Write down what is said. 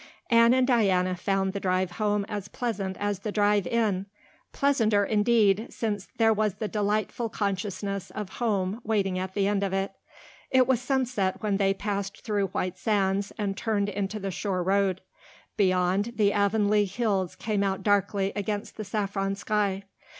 Anne and Diana found the drive home as pleasant as the drive in pleasanter, indeed, since there was the delightful consciousness of home waiting at the end of it. It was sunset when they passed through White Sands and turned into the shore road. Beyond, the Avonlea hills came out darkly against the saffron sky.